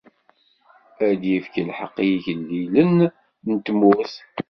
Ad ifk lḥeqq i yigellilen n tmurt.